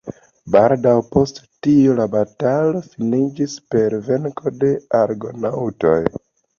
Baldaŭ post tio la batalo finiĝis per venko de Argonaŭtoj.